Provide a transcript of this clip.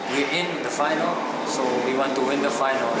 kita menang final jadi kita ingin menang final